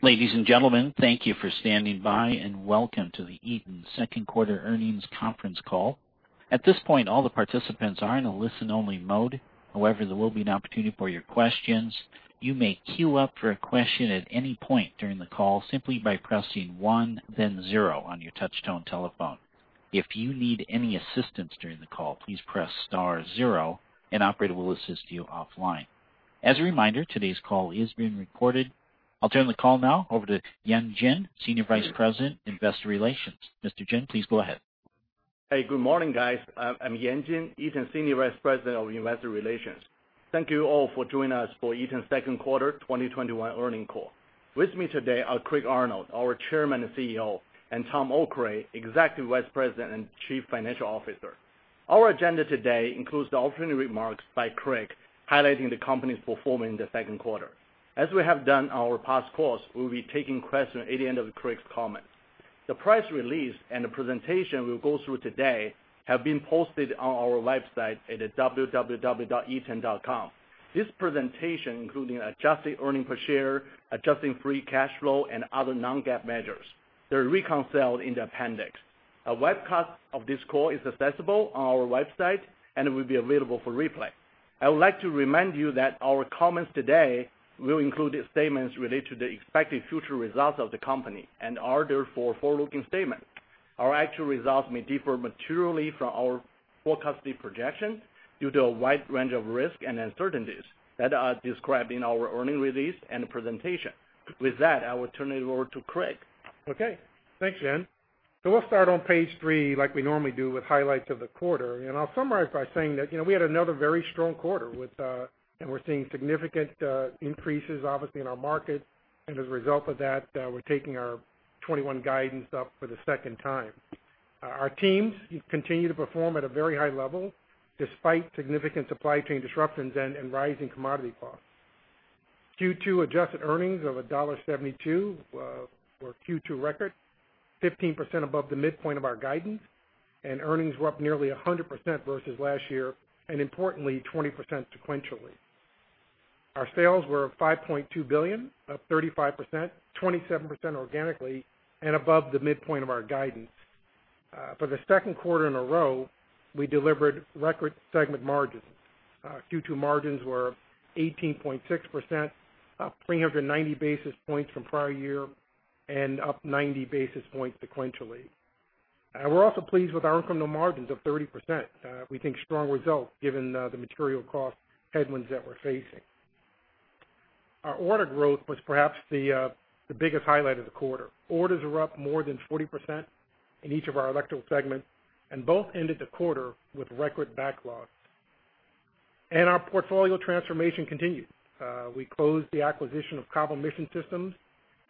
Ladies and gentlemen, thank you for standing by, and welcome to the Eaton second quarter earnings conference call. At this point, all the participants are in a listen-only mode. However, there will be an opportunity for your questions. You may queue up for a question at any point during the call simply by pressing one, then zero on your touch-tone telephone. If you need any assistance during the call, please press star zero, an operator will assist you offline. As a reminder, today's call is being recorded. I'll turn the call now over to Yan Jin, Senior Vice President, Investor Relations. Mr. Jin, please go ahead. Good morning, guys. I'm Yan Jin, Eaton Senior Vice President of Investor Relations. Thank you all for joining us for Eaton's second quarter 2021 earnings call. With me today are Craig Arnold, our Chairman and CEO, and Tom Okray, Executive Vice President and Chief Financial Officer. Our agenda today includes the opening remarks by Craig, highlighting the company's performance in the second quarter. As we have done on our past calls, we will be taking questions at the end of Craig's comments. The press release and the presentation we'll go through today have been posted on our website at www.eaton.com. This presentation, including adjusted earnings per share, adjusted free cash flow, and other non-GAAP measures, are reconciled in the appendix. A webcast of this call is accessible on our website and will be available for replay. I would like to remind you that our comments today will include statements related to the expected future results of the company and are therefore forward-looking statements. Our actual results may differ materially from our forecasted projections due to a wide range of risks and uncertainties that are described in our earnings release and presentation. With that, I will turn it over to Craig. Okay. Thanks, Yan. Let's start on page three, like we normally do, with highlights of the quarter. I'll summarize by saying that we had another very strong quarter, and we're seeing significant increases, obviously, in our market. As a result of that, we're taking our 2021 guidance up for the second time. Our teams continue to perform at a very high level despite significant supply chain disruptions and rising commodity costs. Q2 adjusted earnings of $1.72 were a Q2 record, 15% above the midpoint of our guidance, and earnings were up nearly 100% versus last year, and importantly, 20% sequentially. Our sales were $5.2 billion, up 35%, 27% organically, and above the midpoint of our guidance. For the second quarter in a row, we delivered record segment margins. Q2 margins were 18.6%, up 390 basis points from prior year, and up 90 basis points sequentially. We're also pleased with our incremental margins of 30%. We think strong results given the material cost headwinds that we're facing. Our order growth was perhaps the biggest highlight of the quarter. Orders are up more than 40% in each of our electrical segments, and both ended the quarter with record backlogs. Our portfolio transformation continued. We closed the acquisition of Cobham Mission Systems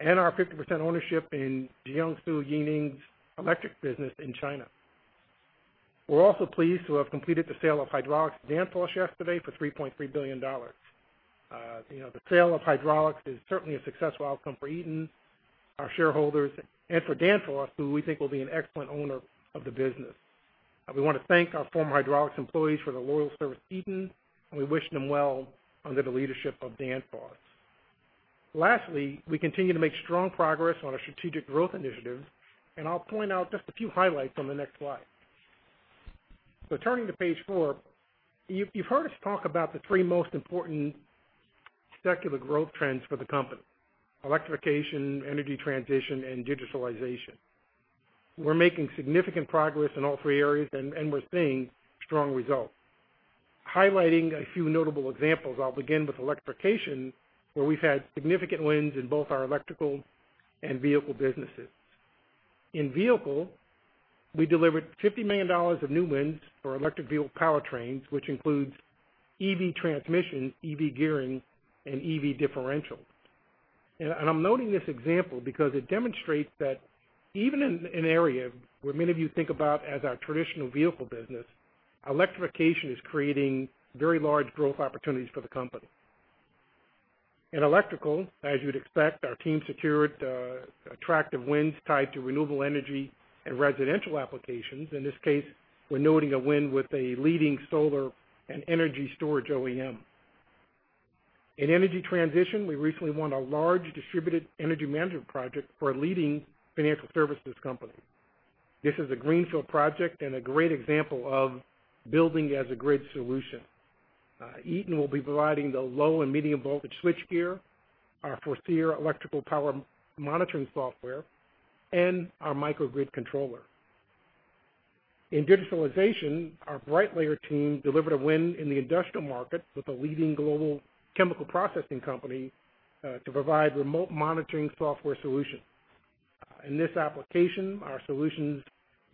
and our 50% ownership in Jiangsu YiNeng Electric in China. We're also pleased to have completed the sale of Hydraulics to Danfoss yesterday for $3.3 billion. The sale of Hydraulics is certainly a successful outcome for Eaton, our shareholders, and for Danfoss, who we think will be an excellent owner of the business. We want to thank our former Hydraulics employees for their loyal service to Eaton, and we wish them well under the leadership of Danfoss. Lastly, we continue to make strong progress on our strategic growth initiatives, and I'll point out just a few highlights on the next slide. Turning to page four, you've heard us talk about the three most important secular growth trends for the company, electrification, energy transition, and digitalization. We're making significant progress in all three areas, and we're seeing strong results. Highlighting a few notable examples, I'll begin with electrification, where we've had significant wins in both our Electrical and Vehicle businesses. In Vehicle, we delivered $50 million of new wins for electric vehicle powertrains, which includes EV transmission, EV gearing, and EV differentials. I'm noting this example because it demonstrates that even in an area where many of you think about as our traditional Vehicle business, electrification is creating very large growth opportunities for the company. In electrical, as you'd expect, our team secured attractive wins tied to renewable energy and residential applications. In this case, we're noting a win with a leading solar and energy storage OEM. In energy transition, we recently won a large distributed energy management project for a leading financial services company. This is a greenfield project and a great example of building as a grid solution. Eaton will be providing the low and medium voltage switchgear, our Foreseer electrical power monitoring software, and our microgrid controller. In digitalization, our Brightlayer team delivered a win in the industrial market with a leading global chemical processing company, to provide remote monitoring software solutions. In this application, our solutions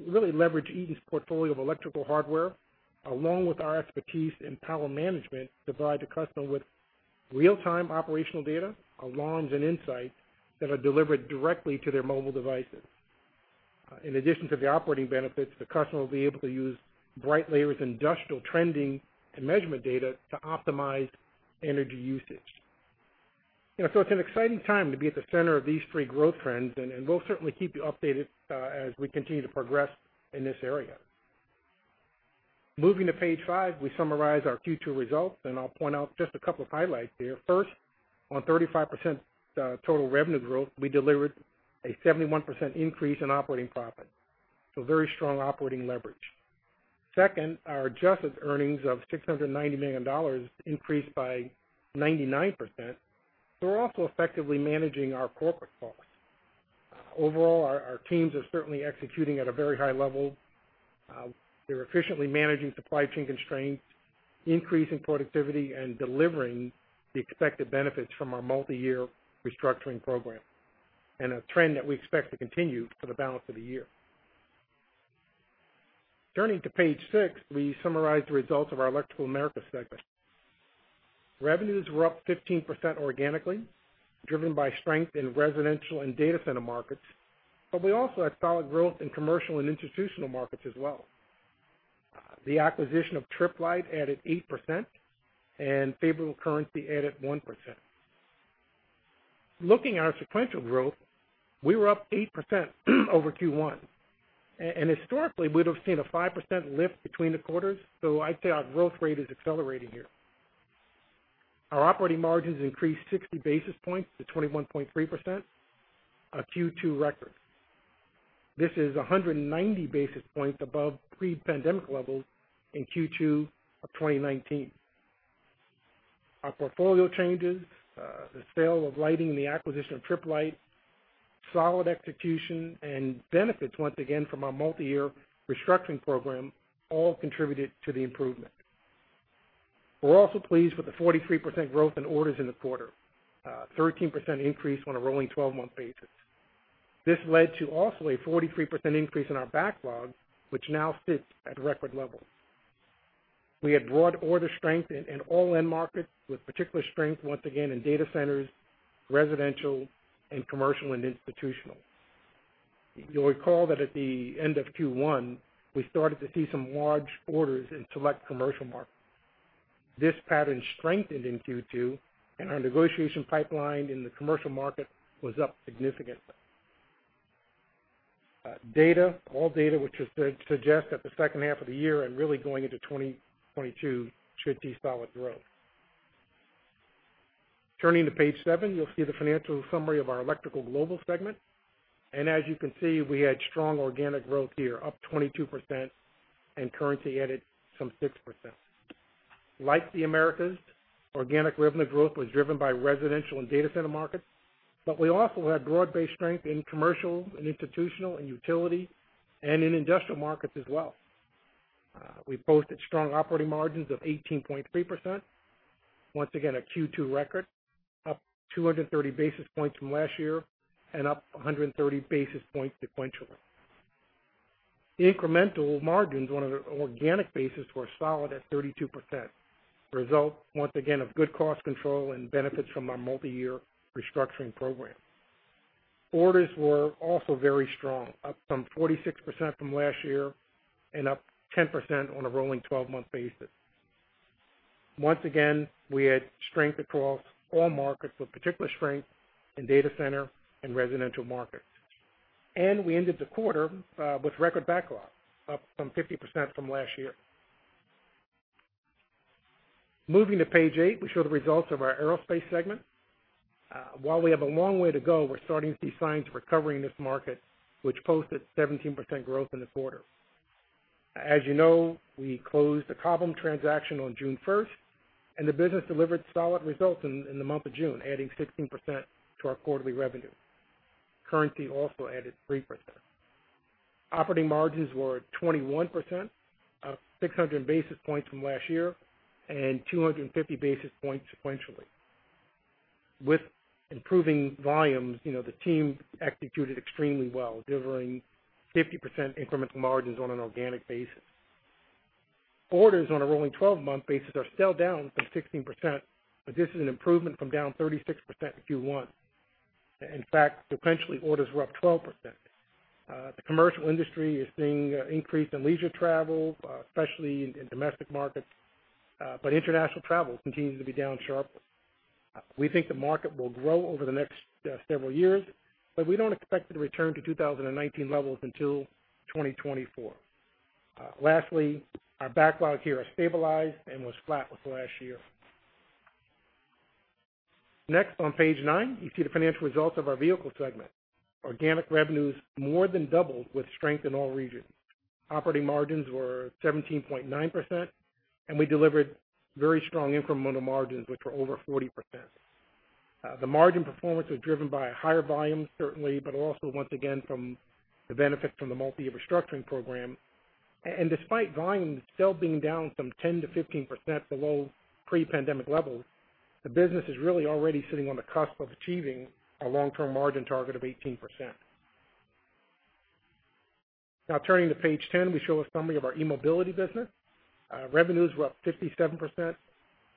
really leverage Eaton's portfolio of electrical hardware, along with our expertise in power management, to provide the customer with real-time operational data, alarms, and insights that are delivered directly to their mobile devices. In addition to the operating benefits, the customer will be able to use Brightlayer's industrial trending and measurement data to optimize energy usage. It's an exciting time to be at the center of these three growth trends, and we'll certainly keep you updated as we continue to progress in this area. Moving to page five, we summarize our Q2 results, and I'll point out just a couple of highlights here. First, on 35% total revenue growth, we delivered a 71% increase in operating profit. Very strong operating leverage. Second, our adjusted earnings of $690 million increased by 99%, so we're also effectively managing our corporate costs. Overall, our teams are certainly executing at a very high level. They're efficiently managing supply chain constraints, increasing productivity, and delivering the expected benefits from our multi-year restructuring program, and a trend that we expect to continue for the balance of the year. Turning to page six, we summarize the results of our Electrical Americas segment. Revenues were up 15% organically, driven by strength in residential and data center markets, but we also had solid growth in commercial and institutional markets as well. The acquisition of Tripp Lite added 8%, and favorable currency added 1%. Looking at our sequential growth, we were up 8% over Q1. Historically, we'd have seen a 5% lift between the quarters, so I'd say our growth rate is accelerating here. Our operating margins increased 60 basis points to 21.3%, a Q2 record. This is 190 basis points above pre-pandemic levels in Q2 of 2019. Our portfolio changes, the sale of lighting and the acquisition of Tripp Lite, solid execution, and benefits, once again, from our multi-year restructuring program, all contributed to the improvement. We're also pleased with the 43% growth in orders in the quarter, a 13% increase on a rolling 12-month basis. This led to also a 43% increase in our backlog, which now sits at record levels. We had broad order strength in all end markets, with particular strength, once again in data centers, residential, and commercial and institutional. You'll recall that at the end of Q1, we started to see some large orders in select commercial markets. This pattern strengthened in Q2, and our negotiation pipeline in the commercial market was up significantly. All data, which suggests that the second half of the year and really going into 2022 should see solid growth. Turning to page seven, you'll see the financial summary of our Electrical Global segment. As you can see, we had strong organic growth here, up 22%, and currency added some 6%. Like the Americas, organic revenue growth was driven by residential and data center markets, but we also had broad-based strength in commercial, and institutional, and utility, and in industrial markets as well. We posted strong operating margins of 18.3%. Once again, a Q2 record, up 230 basis points from last year, and up 130 basis points sequentially. The incremental margins on an organic basis were solid at 32%, the result, once again, of good cost control and benefits from our multi-year restructuring program. Orders were also very strong, up some 46% from last year, and up 10% on a rolling 12-month basis. Once again, we had strength across all markets, with particular strength in data center and residential markets. We ended the quarter with record backlog, up some 50% from last year. Moving to page eight, we show the results of our Aerospace segment. While we have a long way to go, we're starting to see signs of recovery in this market, which posted 17% growth in the quarter. As you know, we closed the Cobham transaction on June 1st, and the business delivered solid results in the month of June, adding 16% to our quarterly revenue. Currency also added 3%. Operating margins were 21%, up 600 basis points from last year, and 250 basis points sequentially. With improving volumes, the team executed extremely well, delivering 50% incremental margins on an organic basis. Orders on a rolling 12-month basis are still down some 16%, but this is an improvement from down 36% in Q1. In fact, sequentially, orders were up 12%. The commercial industry is seeing an increase in leisure travel, especially in domestic markets, but international travel continues to be down sharply. We think the market will grow over the next several years, but we don't expect it to return to 2019 levels until 2024. Lastly, our backlog here has stabilized and was flat with last year. Next, on page nine, you see the financial results of our Vehicle segment. Organic revenues more than doubled with strength in all regions. Operating margins were 17.9%. We delivered very strong incremental margins, which were over 40%. The margin performance was driven by higher volume, certainly, also, once again, from the benefit from the multi-year restructuring program. Despite volumes still being down some 10%-15% below pre-pandemic levels, the business is really already sitting on the cusp of achieving our long-term margin target of 18%. Now, turning to page 10, we show a summary of our eMobility business. Revenues were up 57%,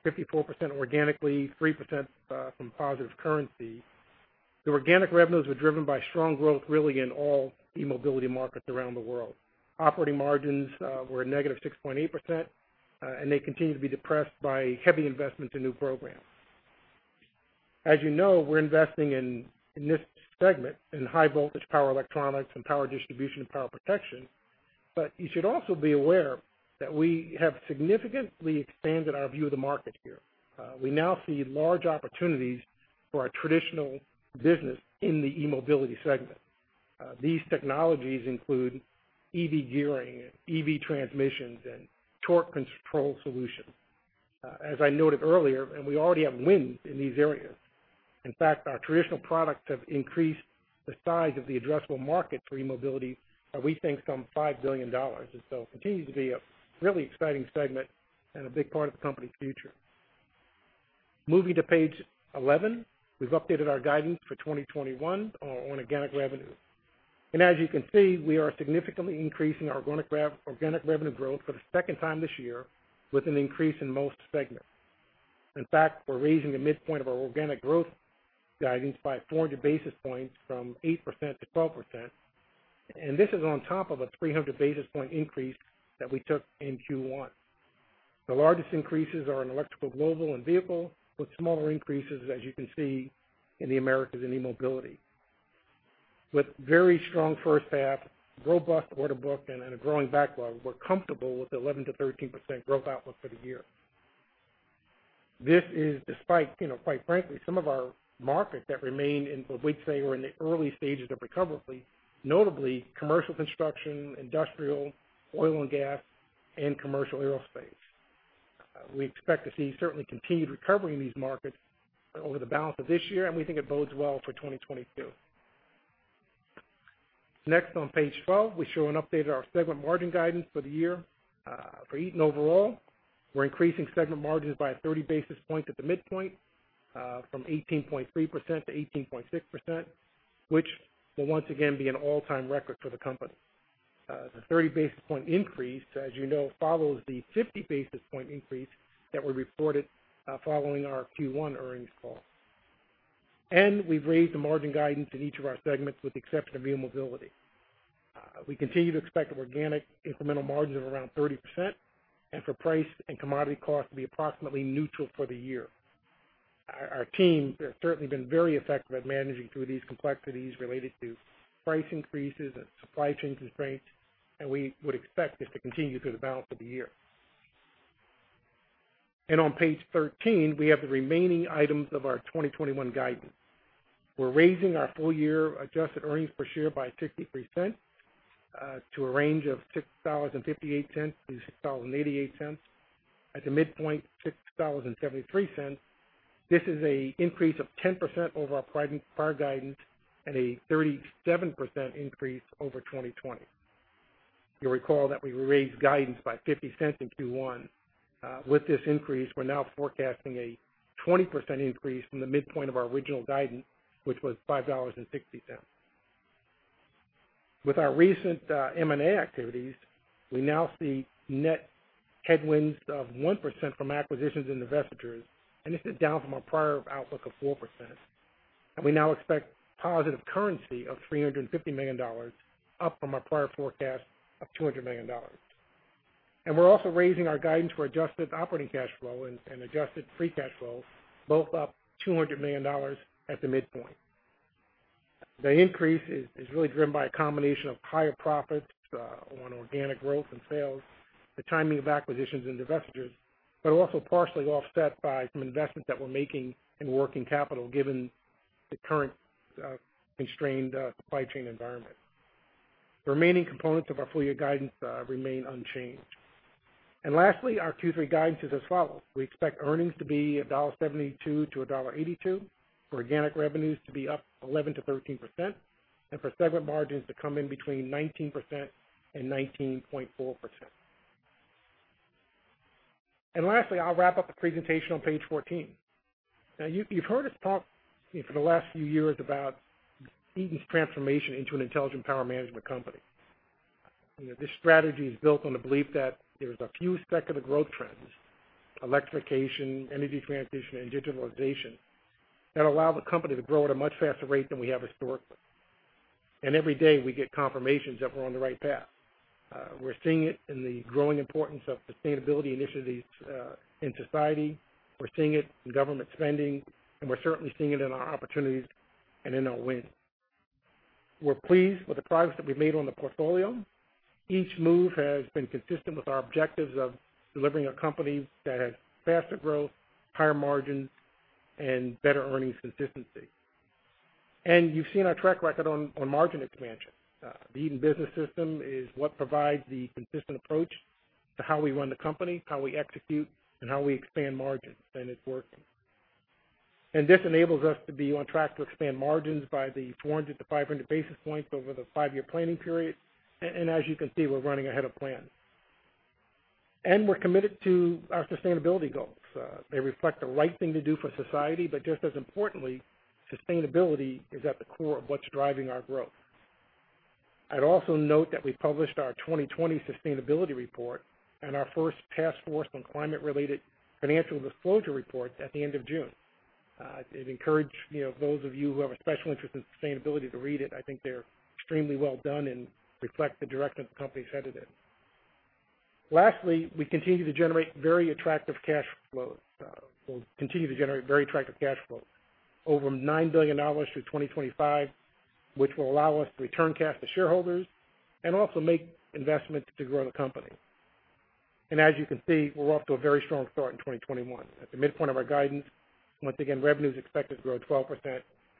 54% organically, 3% from positive currency. The organic revenues were driven by strong growth really in all eMobility markets around the world. Operating margins were -6.8%. They continue to be depressed by heavy investment in new programs. As you know, we're investing in this segment in high voltage power electronics and power distribution and power protection. You should also be aware that we have significantly expanded our view of the market here. We now see large opportunities for our traditional business in the eMobility segment. These technologies include EV gearing and EV transmissions and torque control solutions. As I noted earlier, we already have wins in these areas. In fact, our traditional products have increased the size of the addressable market for eMobility that we think some $5 billion. Continues to be a really exciting segment and a big part of the company's future. Moving to page 11, we've updated our guidance for 2021 on organic revenue. As you can see, we are significantly increasing our organic revenue growth for the second time this year with an increase in most segments. In fact, we're raising the midpoint of our organic growth guidance by 400 basis points from 8%-12%, and this is on top of a 300 basis point increase that we took in Q1. The largest increases are in Electrical Global and Vehicle, with smaller increases, as you can see, in the Americas and eMobility. With very strong first half, robust order book, and a growing backlog, we're comfortable with 11%-13% growth outlook for the year. This is despite, quite frankly, some of our markets that we'd say were in the early stages of recovery, notably commercial construction, industrial, oil and gas, and commercial aerospace. We expect to see certainly continued recovery in these markets over the balance of this year, and we think it bodes well for 2022. Next, on page 12, we show an update of our segment margin guidance for the year. For Eaton overall, we're increasing segment margins by a 30 basis points at the midpoint, from 18.3%-18.6%, which will once again be an all-time record for the company. The 30 basis points increase, as you know, follows the 50 basis points increase that we reported following our Q1 earnings call. We've raised the margin guidance in each of our segments with the exception of eMobility. We continue to expect organic incremental margins of around 30%, and for price and commodity costs to be approximately neutral for the year. Our team has certainly been very effective at managing through these complexities related to price increases and supply chain constraints. We would expect this to continue through the balance of the year. On page 13, we have the remaining items of our 2021 guidance. We're raising our full-year adjusted earnings per share by $0.63 to a range of $6.58-$6.88. At the midpoint, $6.73. This is an increase of 10% over our prior guidance and a 37% increase over 2020. You'll recall that we raised guidance by $0.50 in Q1. With this increase, we're now forecasting a 20% increase from the midpoint of our original guidance, which was $5.60. With our recent M&A activities, we now see net headwinds of 1% from acquisitions and divestitures. This is down from our prior outlook of 4%. We now expect positive currency of $350 million, up from our prior forecast of $200 million. We're also raising our guidance for adjusted operating cash flow and adjusted free cash flow, both up $200 million at the midpoint. The increase is really driven by a combination of higher profits on organic growth and sales, the timing of acquisitions and divestitures, but also partially offset by some investments that we're making in working capital given the current constrained supply chain environment. The remaining components of our full-year guidance remain unchanged. Lastly, our Q3 guidance is as follows. We expect earnings to be $1.72-$1.82, for organic revenues to be up 11%-13%, and for segment margins to come in between 19% and 19.4%. Lastly, I'll wrap up the presentation on page 14. Now, you've heard us talk for the last few years about Eaton's transformation into an intelligent power management company. This strategy is built on the belief that there's a few secular growth trends, electrification, energy transition, and digitalization, that allow the company to grow at a much faster rate than we have historically. Every day we get confirmations that we're on the right path. We're seeing it in the growing importance of sustainability initiatives in society, we're seeing it in government spending, and we're certainly seeing it in our opportunities and in our wins. We're pleased with the progress that we've made on the portfolio. Each move has been consistent with our objectives of delivering a company that has faster growth, higher margins, and better earnings consistency. You've seen our track record on margin expansion. The Eaton Business System is what provides the consistent approach to how we run the company, how we execute, and how we expand margins, it's working. This enables us to be on track to expand margins by the 400 to 500 basis points over the five-year planning period. As you can see, we're running ahead of plan. We're committed to our sustainability goals. They reflect the right thing to do for society, but just as importantly, sustainability is at the core of what's driving our growth. I'd also note that we published our 2020 sustainability report and our first Task Force on Climate-related Financial Disclosure reports at the end of June. I'd encourage those of you who have a special interest in sustainability to read it. I think they're extremely well done and reflect the direction the company's headed in. Lastly, we continue to generate very attractive cash flow. We'll continue to generate very attractive cash flow, over $9 billion through 2025, which will allow us to return cash to shareholders and also make investments to grow the company. As you can see, we're off to a very strong start in 2021. At the midpoint of our guidance, once again, revenue is expected to grow 12%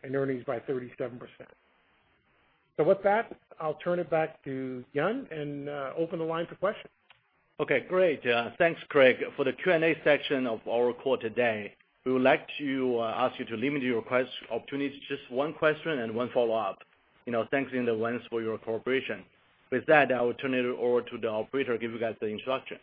and earnings by 37%. With that, I'll turn it back to Yan Jin and open the line for questions. Okay, great. Thanks, Craig. For the Q&A section of our call today, we would like to ask you to limit your opportunities to just one question and one follow-up. Thanks in advance for your cooperation. With that, I will turn it over to the operator to give you guys the introduction.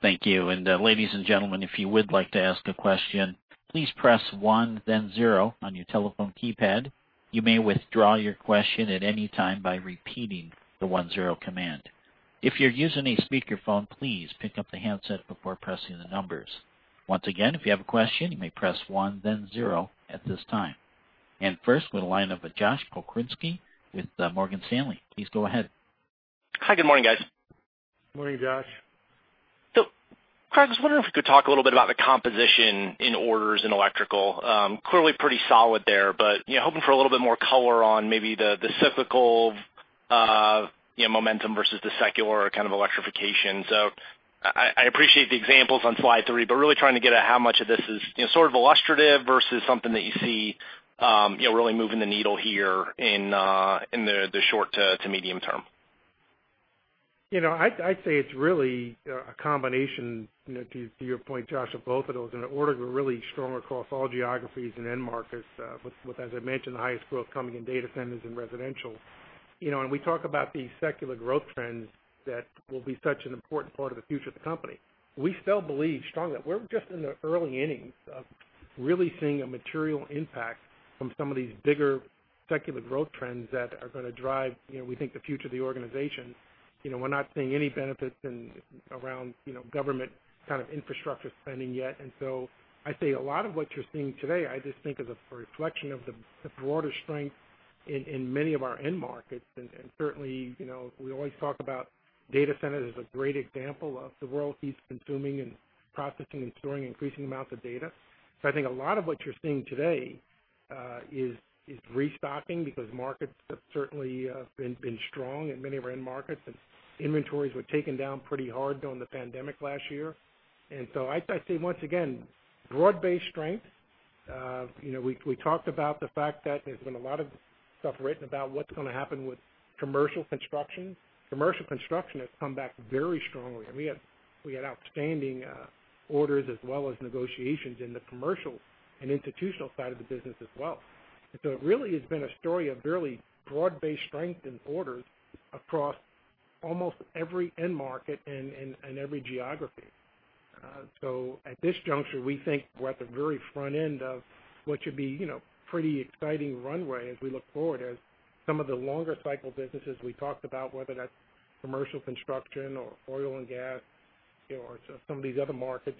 Thank you. Ladies and gentlemen, if you would like to ask a question, please press one, then zero on your telephone keypad. You may withdraw your question at any time by repeating the one-zero command. If you're using a speakerphone, please pick up the handset before pressing the numbers. Once again, if you have a question, you may press one, then zero at this time. First, we'll line up with Josh Pokrzywinski with Morgan Stanley. Please go ahead. Hi, good morning, guys. Morning, Josh. Craig, I was wondering if you could talk a little bit about the composition in orders in Electrical. Clearly pretty solid there, but hoping for a little bit more color on maybe the cyclical momentum versus the secular kind of electrification. I appreciate the examples on slide three, but really trying to get at how much of this is sort of illustrative versus something that you see really moving the needle here in the short to medium term. I'd say it's really a combination, to your point, Josh, of both of those. The orders were really strong across all geographies and end markets, with, as I mentioned, the highest growth coming in data centers and residential. We talk about these secular growth trends that will be such an important part of the future of the company. We still believe strongly that we're just in the early innings of really seeing a material impact from some of these bigger secular growth trends that are going to drive, we think, the future of the organization. We're not seeing any benefits around government kind of infrastructure spending yet. I'd say a lot of what you're seeing today, I just think is a reflection of the broader strength in many of our end markets. Certainly, we always talk about data center as a great example of the world keeps consuming and processing and storing increasing amounts of data. I think a lot of what you're seeing today is restocking because markets have certainly been strong in many of our end markets, and inventories were taken down pretty hard during the pandemic last year. I'd say, once again, broad-based strength. We talked about the fact that there's been a lot of stuff written about what's going to happen with commercial construction. Commercial construction has come back very strongly. We had outstanding orders as well as negotiations in the commercial and institutional side of the business as well. It really has been a story of really broad-based strength in orders across almost every end market and every geography. At this juncture, we think we're at the very front end of what should be pretty exciting runway as we look forward as some of the longer cycle businesses we talked about, whether that's commercial construction or oil and gas or some of these other markets,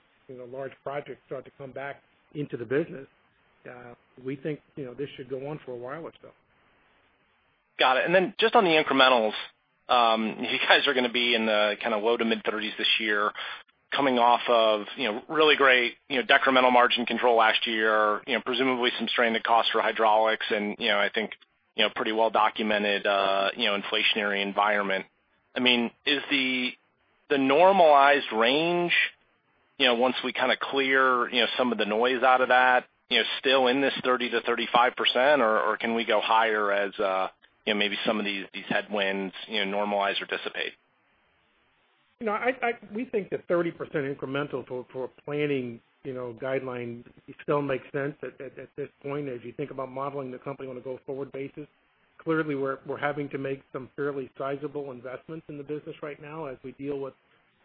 large projects start to come back into the business. We think this should go on for a while itself. Got it. Just on the incrementals, you guys are going to be in the kind of low to mid-30s this year coming off of really great decremental margin control last year, presumably some strain in the cost for hydraulics and I think pretty well-documented inflationary environment. Is the normalized range, once we kind of clear some of the noise out of that, still in this 30%-35% or can we go higher as maybe some of these headwinds normalize or dissipate? We think that 30% incremental for a planning guideline still makes sense at this point, as you think about modeling the company on a go-forward basis. Clearly, we're having to make some fairly sizable investments in the business right now as we deal with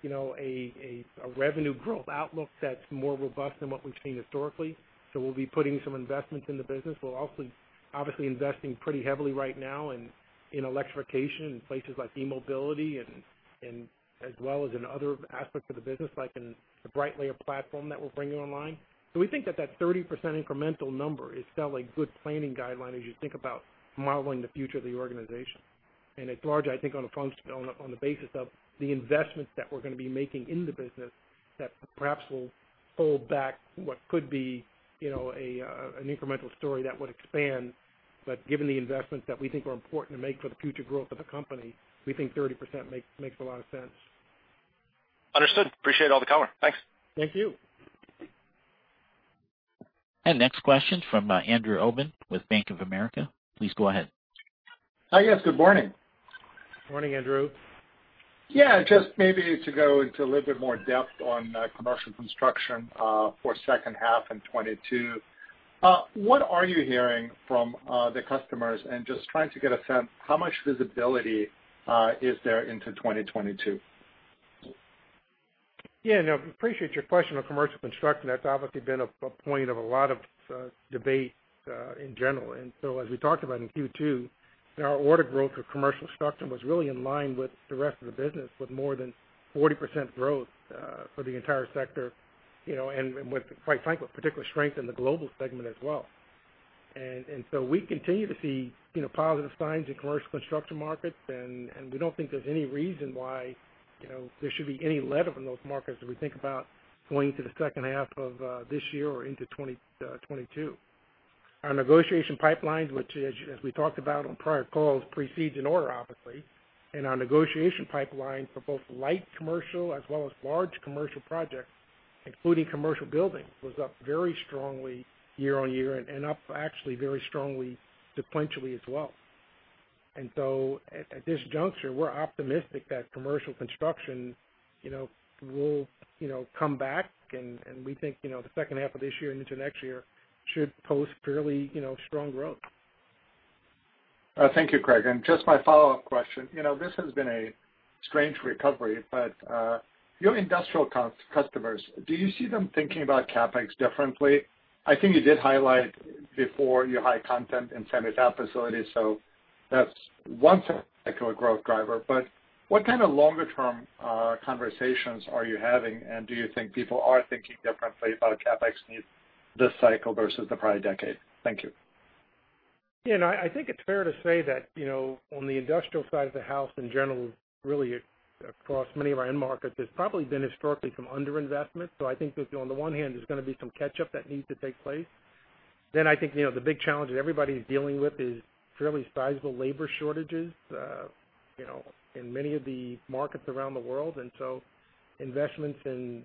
a revenue growth outlook that's more robust than what we've seen historically. We'll be putting some investments in the business. We're also obviously investing pretty heavily right now in electrification in places like eMobility, and as well as in other aspects of the business, like in the Brightlayer platform that we're bringing online. We think that that 30% incremental number is still a good planning guideline as you think about modeling the future of the organization. It's largely, I think, on the basis of the investments that we're going to be making in the business that perhaps will hold back what could be an incremental story that would expand. Given the investments that we think are important to make for the future growth of the company, we think 30% makes a lot of sense. Understood. Appreciate all the color. Thanks. Thank you. Next question from Andrew Obin with Bank of America. Please go ahead. Hi, guys. Good morning. Morning, Andrew. Yeah, just maybe to go into a little bit more depth on commercial construction for second half in 2022. What are you hearing from the customers? Just trying to get a sense, how much visibility is there into 2022? Yeah. No, appreciate your question on commercial construction. That's obviously been a point of a lot of debate in general. As we talked about in Q2, our order growth for commercial construction was really in line with the rest of the business, with more than 40% growth for the entire sector, and with, quite frankly, particular strength in the global segment as well. We continue to see positive signs in commercial construction markets, and we don't think there's any reason why there should be any letup in those markets as we think about going to the second half of this year or into 2022. Our negotiation pipelines, which, as we talked about on prior calls, precedes an order, obviously. Our negotiation pipeline for both light commercial as well as large commercial projects, including commercial buildings, was up very strongly year-on-year and up actually very strongly sequentially as well. At this juncture, we're optimistic that commercial construction will come back, and we think the second half of this year and into next year should pose fairly strong growth. Thank you, Craig. Just my follow-up question. This has been a strange recovery, but your industrial customers, do you see them thinking about CapEx differently? I think you did highlight before your high content in semi-cap facilities, so that's one technical growth driver. What kind of longer-term conversations are you having, and do you think people are thinking differently about CapEx needs this cycle versus the prior decade? Thank you. No, I think it's fair to say that on the industrial side of the house in general, really across many of our end markets, there's probably been historically some under-investment. I think, the big challenge that everybody's dealing with is fairly sizable labor shortages in many of the markets around the world. Investments in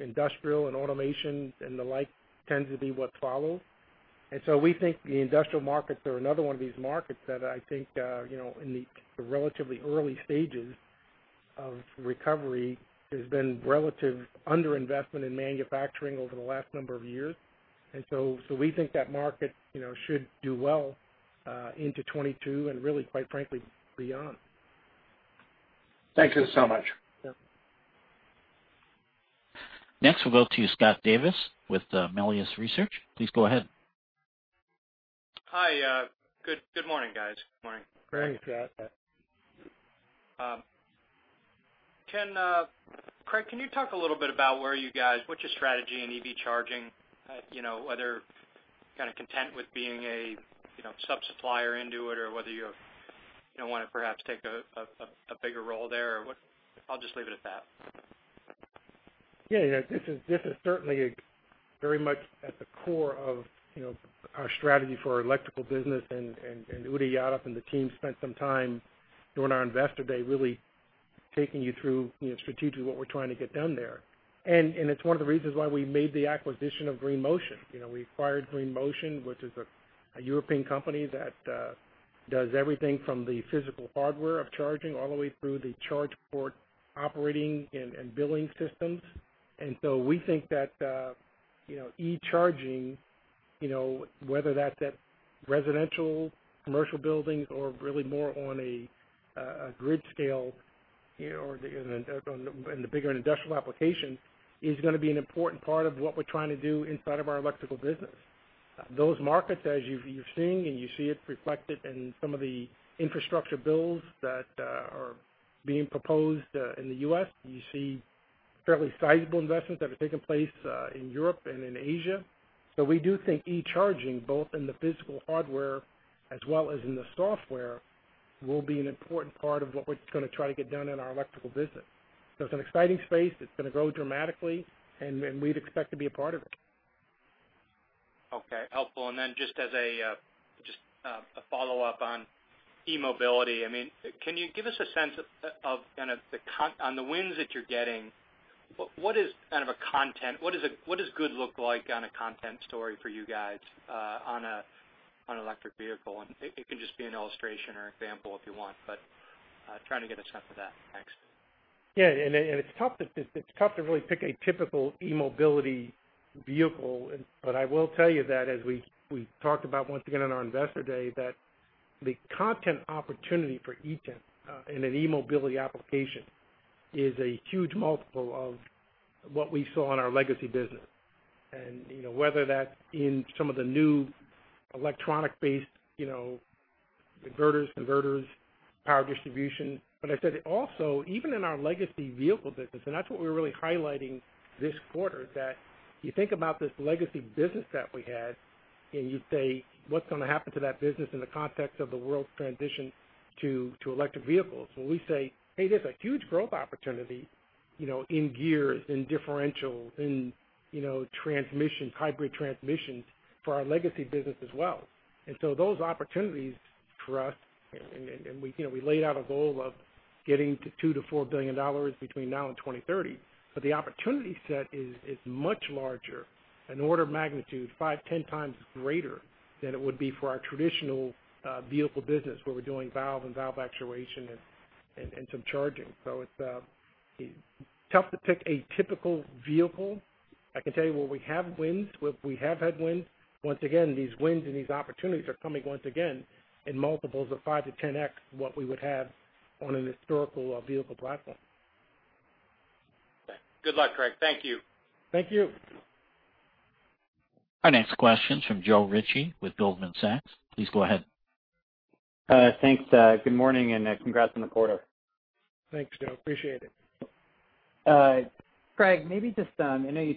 industrial and automation and the like tend to be what follows. We think the industrial markets are another one of these markets that I think in the relatively early stages of recovery, there's been relative under-investment in manufacturing over the last number of years. We think that market should do well into 2022, and really, quite frankly, beyond. Thank you so much. Yeah. Next, we'll go to Scott Davis with the Melius Research. Please go ahead. Hi. Good morning, guys. Good morning. Morning, Scott. Craig, can you talk a little bit about where you guys, what's your strategy in EV charging, whether kind of content with being a sub-supplier into it or whether you want to perhaps take a bigger role there or what? I'll just leave it at that. Yeah. This is certainly very much at the core of our strategy for our electrical business, Uday Yadav and the team spent some time during our investor day really taking you through strategically what we're trying to get done there. It's one of the reasons why we made the acquisition of Green Motion. We acquired Green Motion, which is a European company that does everything from the physical hardware of charging all the way through the charge port operating and billing systems. We think that E-charging, whether that's at residential, commercial buildings or really more on a grid scale or in the bigger industrial application, is going to be an important part of what we're trying to do inside of our electrical business. Those markets, as you're seeing, and you see it reflected in some of the infrastructure builds that are being proposed in the U.S. You see fairly sizable investments that are taking place in Europe and in Asia. We do think E-charging, both in the physical hardware as well as in the software, will be an important part of what we're going to try to get done in our electrical business. It's an exciting space. It's going to grow dramatically, and we'd expect to be a part of it. Okay. Helpful. Then just as a follow-up on eMobility, can you give us a sense of kind of on the wins that you're getting, what does good look like on a content story for you guys on an electric vehicle? It can just be an illustration or example if you want, trying to get a sense of that. Thanks. Yeah. It's tough to really pick a typical eMobility vehicle. I will tell you that as we talked about once again on our investor day, that the content opportunity for Eaton in an eMobility application is a huge multiple of what we saw in our legacy business, whether that's in some of the new electronic-based inverters, converters, power distribution. I said also, even in our legacy vehicle business, and that's what we're really highlighting this quarter, that you think about this legacy business that we had, and you say, "What's going to happen to that business in the context of the world's transition to electric vehicles?" Well, we say, "Hey, there's a huge growth opportunity in gears, in differentials, in transmissions, hybrid transmissions for our legacy business as well." Those opportunities for us, and we laid out a goal of getting to $2 billion-$4 billion between now and 2030. The opportunity set is much larger, an order of magnitude five, 10x greater than it would be for our traditional vehicle business, where we're doing valve and valve actuation and some charging. It's tough to pick a typical vehicle. I can tell you where we have wins, where we have had wins. Once again, these wins and these opportunities are coming, once again, in multiples of 5x-10x what we would have on an historical vehicle platform. Okay. Good luck, Craig. Thank you. Thank you. Our next question's from Joe Ritchie with Goldman Sachs. Please go ahead. Thanks. Good morning. Congrats on the quarter. Thanks, Neil. Appreciate it. Craig, I know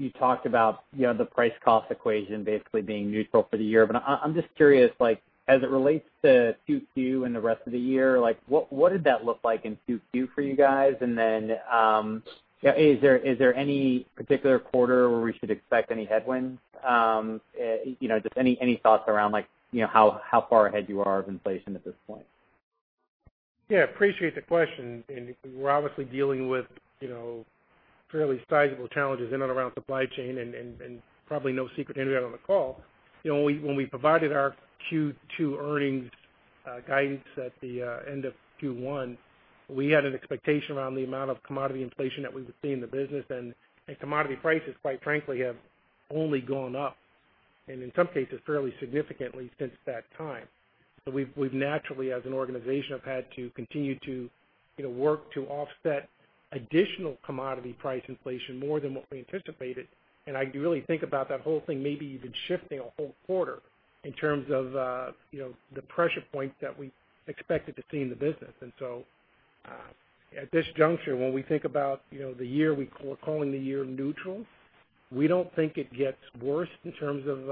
you talked about the price-cost equation basically being neutral for the year, but I'm just curious, as it relates to Q2 and the rest of the year, what did that look like in Q2 for you guys? Is there any particular quarter where we should expect any headwinds? Just any thoughts around how far ahead you are of inflation at this point? Yeah, appreciate the question. We're obviously dealing with fairly sizable challenges in and around supply chain, and probably no secret to anybody on the call. When we provided our Q2 earnings guidance at the end of Q1, we had an expectation around the amount of commodity inflation that we would see in the business. Commodity prices, quite frankly, have only gone up, and in some cases, fairly significantly since that time. We've naturally, as an organization, have had to continue to work to offset additional commodity price inflation more than what we anticipated. I really think about that whole thing maybe even shifting a whole quarter in terms of the pressure points that we expected to see in the business. At this juncture, when we think about the year, we're calling the year neutral. We don't think it gets worse in terms of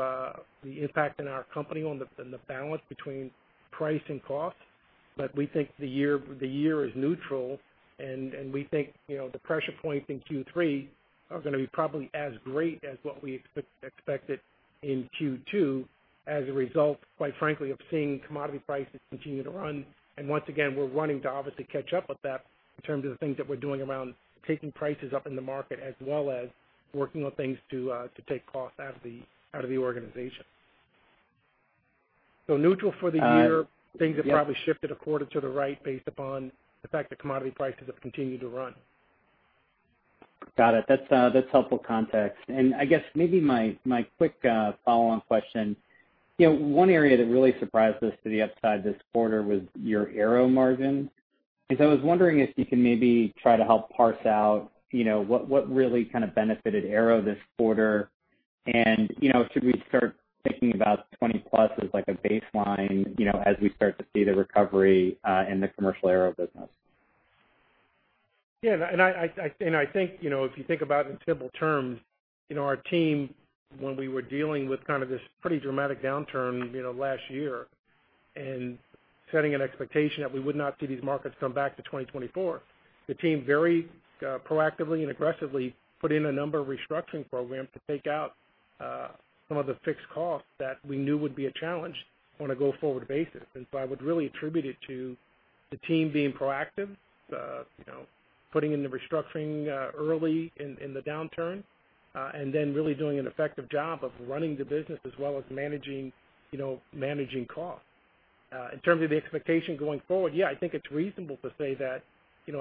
the impact in our company on the balance between price and cost. We think the year is neutral, and we think the pressure points in Q3 are going to be probably as great as what we expected in Q2 as a result, quite frankly, of seeing commodity prices continue to run. Once again, we're running Davos to catch up with that in terms of the things that we're doing around taking prices up in the market, as well as working on things to take costs out of the organization. Neutral for the year. Yes. Things have probably shifted a quarter to the right based upon the fact that commodity prices have continued to run. Got it. That's helpful context. I guess maybe my quick follow-on question, one area that really surprised us to the upside this quarter was your Aero margin. I was wondering if you can maybe try to help parse out what really kind of benefited Aero this quarter. Should we start thinking about 20+ as like a baseline as we start to see the recovery in the commercial Aero business? Yeah, I think if you think about it in simple terms, our team, when we were dealing with kind of this pretty dramatic downturn last year and setting an expectation that we would not see these markets come back to 2024, the team very proactively and aggressively put in a number of restructuring programs to take out some of the fixed costs that we knew would be a challenge on a go-forward basis. I would really attribute it to the team being proactive, putting in the restructuring early in the downturn, and then really doing an effective job of running the business as well as managing costs. In terms of the expectation going forward, yeah, I think it's reasonable to say that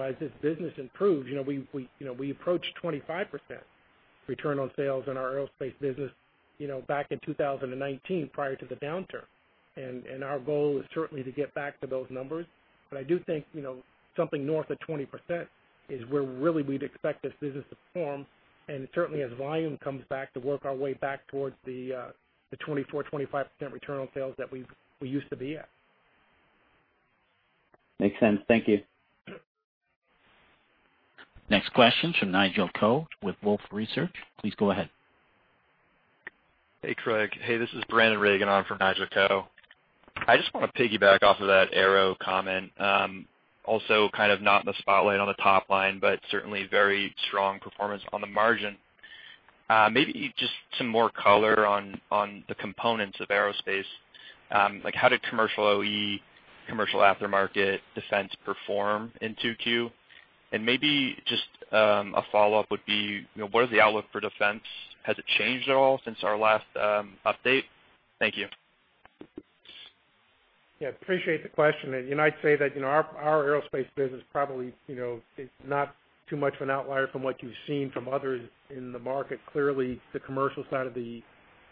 as this business improves, we approach 25% return on sales in our aerospace business back in 2019 prior to the downturn. Our goal is certainly to get back to those numbers. I do think something north of 20% is where really we'd expect this business to perform. Certainly, as volume comes back to work our way back towards the 24%-25% return on sales that we used to be at. Makes sense. Thank you. Next question from Nigel Coe with Wolfe Research. Please go ahead. Hey, Craig. Hey, this is Brandon Reagan. I'm from Nigel Coe. I just want to piggyback off of that aero comment. Also kind of not in the spotlight on the top line, but certainly very strong performance on the margin. Maybe just some more color on the components of aerospace. Like how did commercial OEM, commercial aftermarket defense perform in 2Q? Maybe just a follow-up would be, what is the outlook for defense? Has it changed at all since our last update? Thank you. Yeah, appreciate the question. I'd say that our aerospace business probably is not too much of an outlier from what you've seen from others in the market. Clearly, the commercial side of the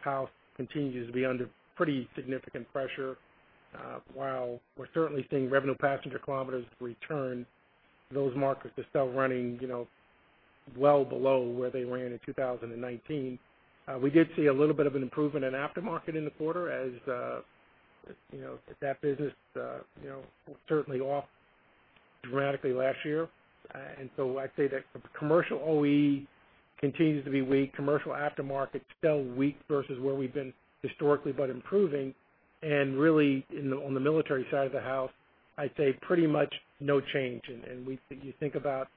house continues to be under pretty significant pressure. While we're certainly seeing revenue passenger kilometers return, those markets are still running well below where they ran in 2019. We did see a little bit of an improvement in aftermarket in the quarter as that business was certainly off dramatically last year. I'd say that commercial OE continues to be weak, commercial aftermarket still weak versus where we've been historically, but improving. Really on the military side of the house, I'd say pretty much no change. You think about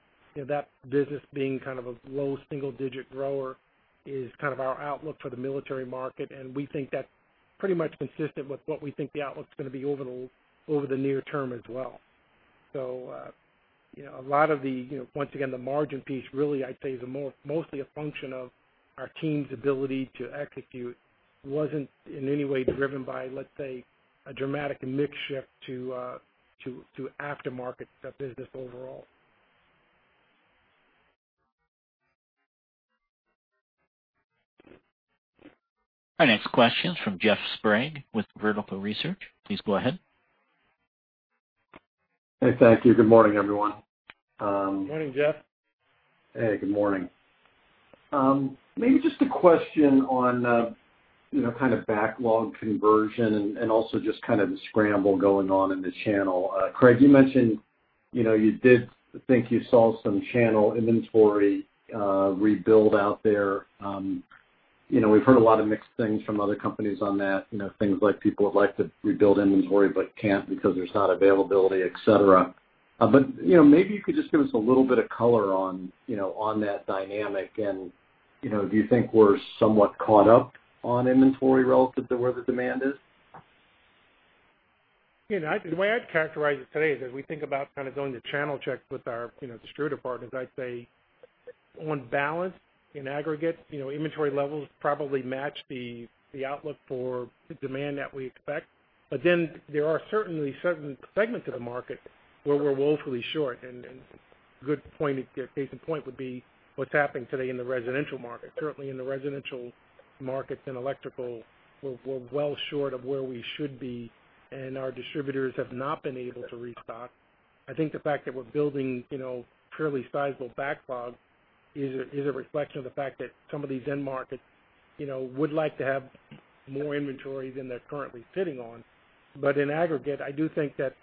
that business being kind of a low single-digit grower is kind of our outlook for the military market, and we think that's pretty much consistent with what we think the outlook's going to be over the near term as well. Once again, the margin piece really, I'd say, is mostly a function of our team's ability to execute. Wasn't in any way driven by, let's say, a dramatic mix shift to aftermarket business overall. Our next question is from Jeff Sprague with Vertical Research. Please go ahead. Hey, thank you. Good morning, everyone. Good morning, Jeff. Hey, good morning. Maybe just a question on kind of backlog conversion and also just kind of the scramble going on in the channel. Craig, you mentioned you did think you saw some channel inventory rebuild out there. We've heard a lot of mixed things from other companies on that. Things like people would like to rebuild inventory but can't because there's not availability, et cetera. Maybe you could just give us a little bit of color on that dynamic and do you think we're somewhat caught up on inventory relative to where the demand is? The way I'd characterize it today is as we think about kind of going to channel check with our distributor partners, I'd say on balance, in aggregate, inventory levels probably match the outlook for the demand that we expect. There are certainly certain segments of the market where we're woefully short and a good case in point would be what's happening today in the residential market. Certainly in the residential markets and electrical, we're well short of where we should be, and our distributors have not been able to restock. I think the fact that we're building fairly sizable backlog is a reflection of the fact that some of these end markets would like to have more inventory than they're currently sitting on. In aggregate, I do think that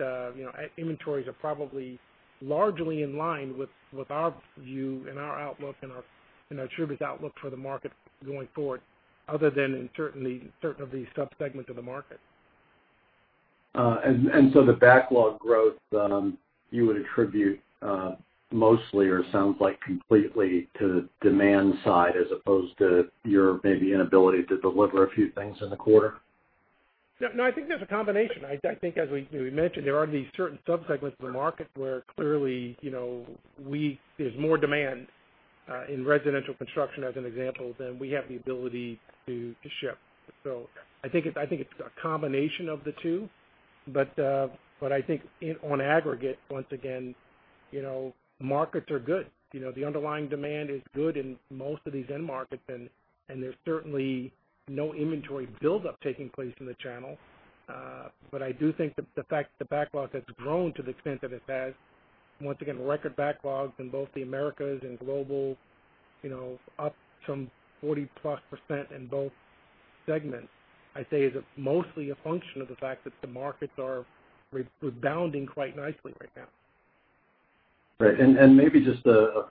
inventories are probably largely in line with our view and our outlook and our distributors' outlook for the market going forward, other than in certain of the sub-segments of the market. The backlog growth, you would attribute mostly or sounds like completely to demand side as opposed to your maybe inability to deliver a few things in the quarter? I think there's a combination. I think as we mentioned, there are these certain sub-segments of the market where clearly, there's more demand in residential construction, as an example, than we have the ability to ship. I think it's a combination of the two. I think on aggregate, once again, markets are good. The underlying demand is good in most of these end markets, and there's certainly no inventory buildup taking place in the channel. I do think the fact the backlog has grown to the extent that it has, once again, record backlogs in both the Electrical Americas and Electrical Global, up some 40+% in both segments, I'd say is mostly a function of the fact that the markets are rebounding quite nicely right now. Right. Maybe just a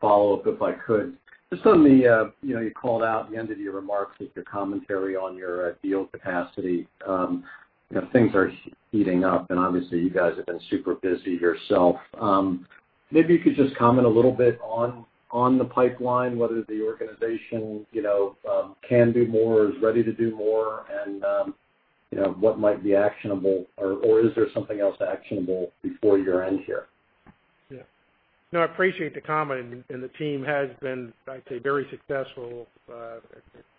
follow-up, if I could. You called out at the end of your remarks with your commentary on your deal capacity. Things are heating up. Obviously you guys have been super busy yourself. Maybe you could just comment a little bit on the pipeline, whether the organization can do more, is ready to do more, and what might be actionable, or is there something else actionable before year-end here? Yeah. No, I appreciate the comment. The team has been, I'd say, very successful at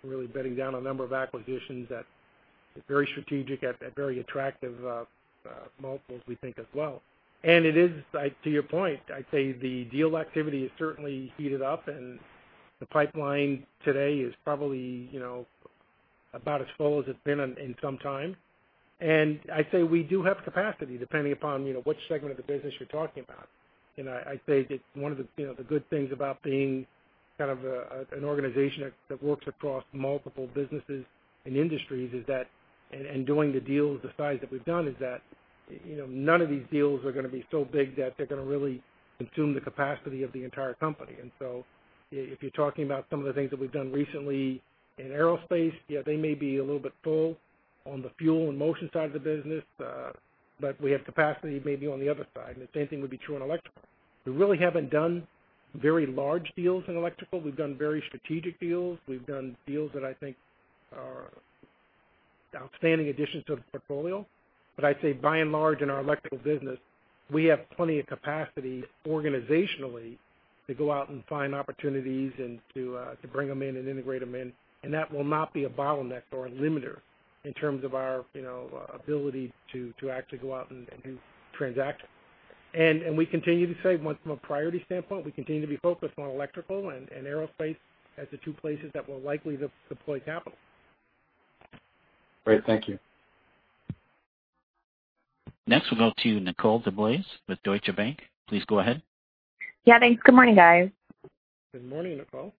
really bedding down a number of acquisitions at very strategic, at very attractive multiples, we think, as well. It is, to your point, I'd say the deal activity has certainly heated up and the pipeline today is probably about as full as it's been in some time. I'd say we do have capacity, depending upon which segment of the business you're talking about. I'd say that one of the good things about being kind of an organization that works across multiple businesses and industries is that, and doing the deals the size that we've done, is that none of these deals are going to be so big that they're going to really consume the capacity of the entire company. If you're talking about some of the things that we've done recently in Aerospace, yeah, they may be a little bit full on the fuel and motion side of the business, but we have capacity maybe on the other side. The same thing would be true in Electrical. We really haven't done very large deals in Electrical. We've done very strategic deals. We've done deals that I think are outstanding additions to the portfolio. I'd say by and large, in our Electrical business, we have plenty of capacity organizationally to go out and find opportunities and to bring them in and integrate them in. That will not be a bottleneck or a limiter in terms of our ability to actually go out and do transacting. We continue to say, from a priority standpoint, we continue to be focused on electrical and aerospace as the two places that we'll likely deploy capital. Great. Thank you. Next, we'll go to Nicole DeBlase with Deutsche Bank. Please go ahead. Yeah, thanks. Good morning, guys. Good morning, Nicole.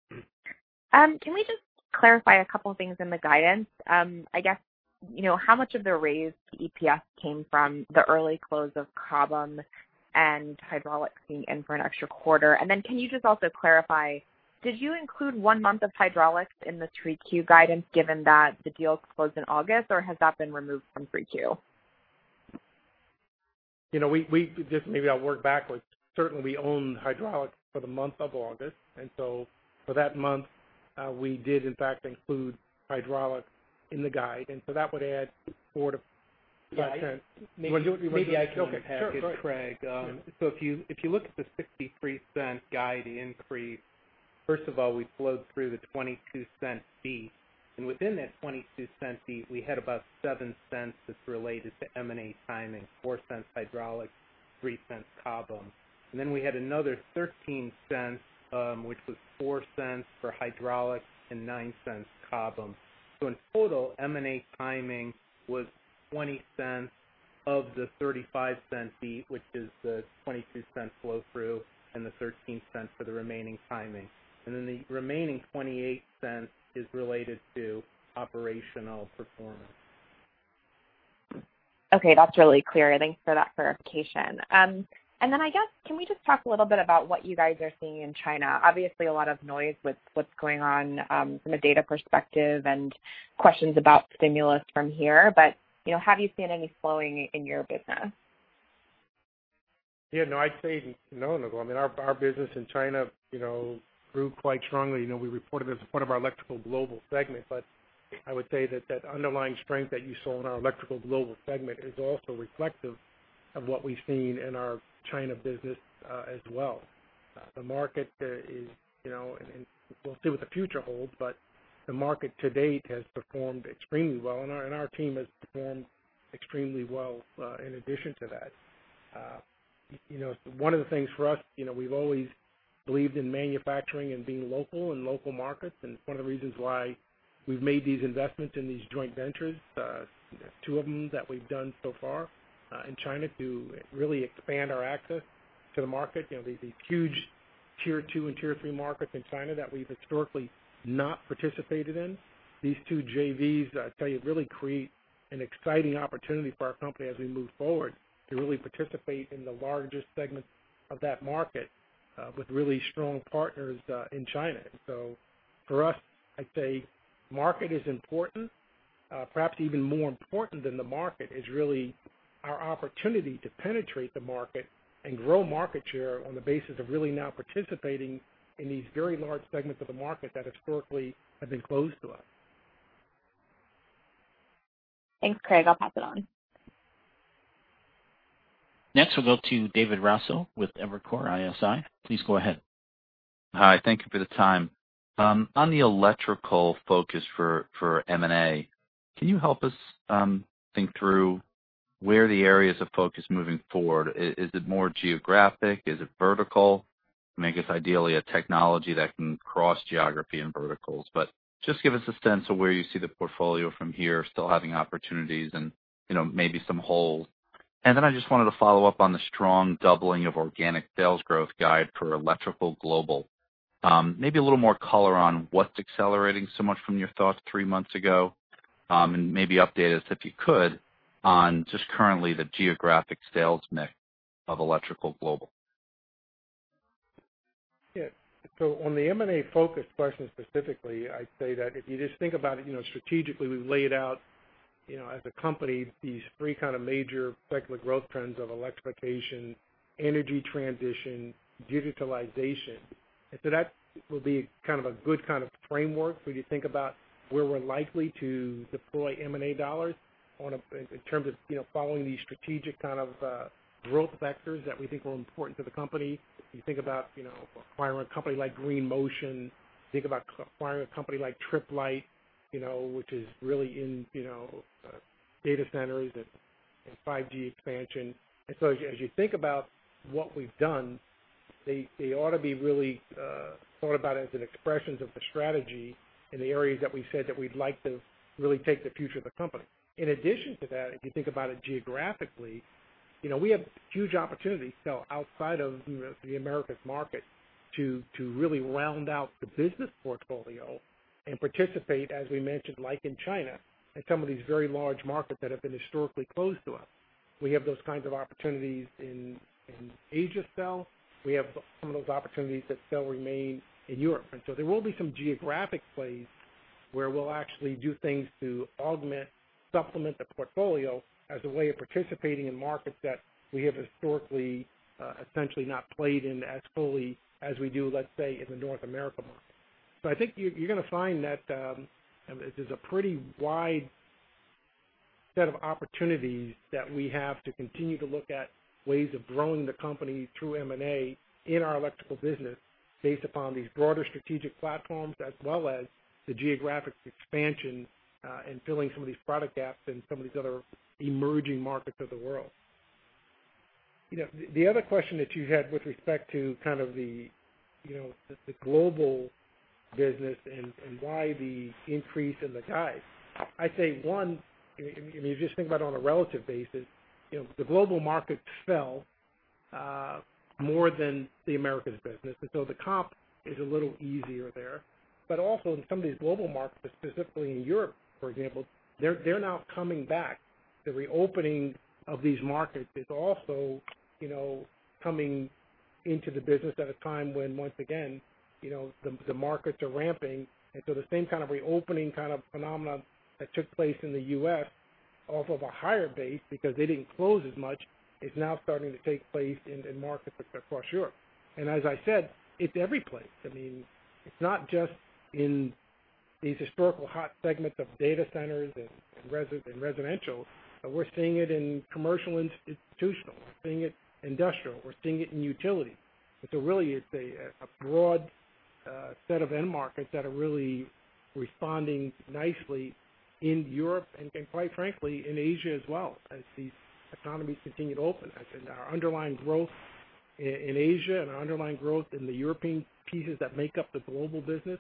Can we just clarify a couple things in the guidance? I guess, how much of the raised EPS came from the early close of Cobham and Hydraulics being in for an extra quarter? Can you just also clarify, did you include one month of Hydraulics in the 3Q guidance given that the deal closed in August, or has that been removed from 3Q? Just maybe I'll work backwards. Certainly, we owned Hydraulics for the month of August. For that month, we did in fact include Hydraulics in the guide. That would add four. Maybe I can unpack it, Craig. Sure. If you look at the $0.63 guide increase, first of all, we flowed through the $0.22 fee. Within that $0.22 fee, we had about $0.07 that's related to M&A timing, $0.04 Hydraulics, $0.03 Cobham. We had another $0.13, which was $0.04 for Hydraulics and $0.09 Cobham. In total, M&A timing was $0.20 of the $0.35 fee, which is the $0.22 flow-through and the $0.13 for the remaining timing. The remaining $0.28 is related to operational performance. Okay, that's really clear. Thanks for that clarification. I guess, can we just talk a little bit about what you guys are seeing in China? Obviously, a lot of noise with what's going on, from a data perspective and questions about stimulus from here. Have you seen any slowing in your business? Yeah. No, I'd say no, Nicole. Our business in China grew quite strongly. We report it as a part of our Electrical Global segment. I would say that that underlying strength that you saw in our Electrical Global segment is also reflective of what we've seen in our China business as well. We'll see what the future holds, but the market to date has performed extremely well, and our team has performed extremely well, in addition to that. One of the things for us, we've always believed in manufacturing and being local in local markets, and it's one of the reasons why we've made these investments in these joint ventures, two of them that we've done so far, in China to really expand our access to the market. There's these huge tier two and tier three markets in China that we've historically not participated in. These two JVs, I tell you, really create an exciting opportunity for our company as we move forward to really participate in the largest segments of that market, with really strong partners in China. For us, I'd say market is important. Perhaps even more important than the market is really our opportunity to penetrate the market and grow market share on the basis of really now participating in these very large segments of the market that historically have been closed to us. Thanks, Craig. I'll pass it on. Next, we'll go to David Raso with Evercore ISI. Please go ahead. Hi, thank you for the time. On the electrical focus for M&A, can you help us think through where are the areas of focus moving forward? Is it more geographic? Is it vertical? make it ideally a technology that can cross geography and verticals. Just give us a sense of where you see the portfolio from here, still having opportunities and maybe some holes. I just wanted to follow up on the strong doubling of organic sales growth guide for Electrical Global. Maybe a little more color on what's accelerating so much from your thoughts three months ago. Maybe update us, if you could, on just currently the geographic sales mix of Electrical Global. Yeah. On the M&A focus question specifically, I'd say that if you just think about it strategically, we've laid out, as a company, these three kind of major secular growth trends of electrification, energy transition, digitalization. That will be a good kind of framework when you think about where we're likely to deploy M&A dollars in terms of following these strategic kind of growth vectors that we think are important to the company. If you think about acquiring a company like Green Motion, think about acquiring a company like Tripp Lite, which is really in data centers and 5G expansion. As you think about what we've done, they ought to be really thought about as an expression of the strategy in the areas that we said that we'd like to really take the future of the company. In addition to that, if you think about it geographically, we have huge opportunities still outside of the Americas market to really round out the business portfolio and participate, as we mentioned, like in China, in some of these very large markets that have been historically closed to us. We have those kinds of opportunities in Asia still. We have some of those opportunities that still remain in Europe. There will be some geographic plays where we'll actually do things to augment, supplement the portfolio as a way of participating in markets that we have historically, essentially not played in as fully as we do, let's say, in the North America market. I think you're going to find that there's a pretty wide set of opportunities that we have to continue to look at ways of growing the company through M&A in our electrical business based upon these broader strategic platforms, as well as the geographic expansion, and filling some of these product gaps in some of these other emerging markets of the world. The other question that you had with respect to kind of the global business and why the increase in the guide? I'd say, one, if you just think about it on a relative basis, the global markets fell more than the Americas business, the comp is a little easier there. Also in some of these global markets, specifically in Europe, for example, they're now coming back. The reopening of these markets is also coming into the business at a time when, once again, the markets are ramping. The same kind of reopening kind of phenomenon that took place in the U.S. off of a higher base because they didn't close as much, is now starting to take place in markets across Europe. As I said, it's every place. It's not just in these historical hot segments of data centers and residential. We're seeing it in commercial institutional. We're seeing it in industrial. We're seeing it in utility. Really, it's a broad set of end markets that are really responding nicely in Europe and, quite frankly, in Asia as well as these economies continue to open. Our underlying growth in Asia and our underlying growth in the European pieces that make up the global business,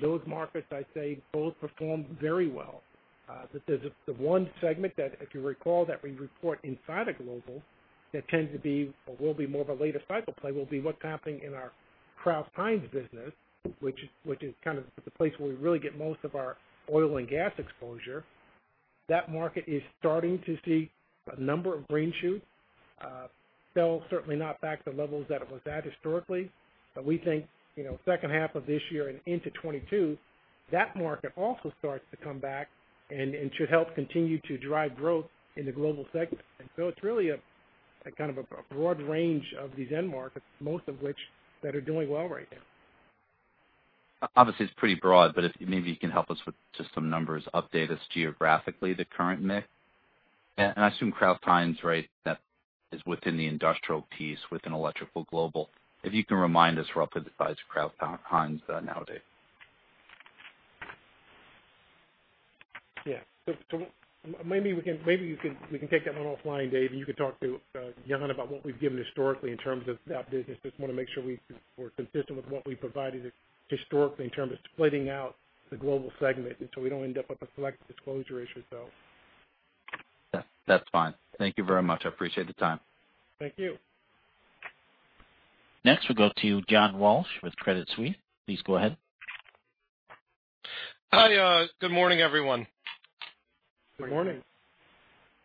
those markets, I'd say, both performed very well. The one segment that, if you recall, that we report inside of Electrical Global that tends to be or will be more of a later cycle play will be what's happening in our KraussMaffei business, which is kind of the place where we really get most of our oil and gas exposure. That market is starting to see a number of green shoots. Still certainly not back to levels that it was at historically. We think, second half of this year and into 2022, that market also starts to come back and should help continue to drive growth in the Electrical Global segment. It's really a kind of a broad range of these end markets, most of which that are doing well right now. It's pretty broad, but if maybe you can help us with just some numbers, update us geographically, the current mix. I assume KraussMaffei, right, that is within the industrial piece within Electrical Global. If you can remind us roughly the size of KraussMaffei nowadays. Yeah. Maybe we can take that one offline, David, and you can talk to Yan Jin about what we've given historically in terms of that business. I just want to make sure we're consistent with what we provided historically in terms of splitting out the global segment, and so we don't end up with a select disclosure issue. That's fine. Thank you very much. I appreciate the time. Thank you. Next, we go to John Walsh with Credit Suisse. Please go ahead. Hi. Good morning, everyone. Good morning.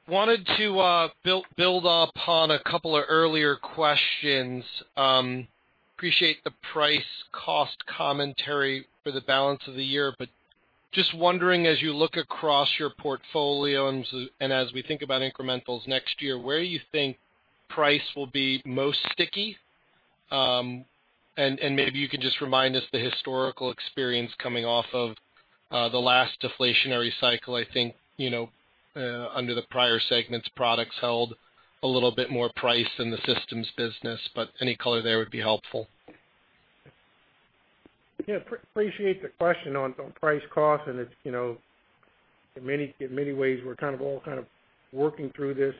wanted to build upon a couple of earlier questions. I appreciate the price-cost commentary for the balance of the year, but just wondering, as you look across your portfolio and as we think about incrementals next year, where you think price will be most sticky? Maybe you can just remind us the historical experience coming off of the last deflationary cycle. I think, under the prior segments, products held a little bit more price than the systems business, but any color there would be helpful. Yeah. Appreciate the question on price cost. In many ways, we're kind of all working through this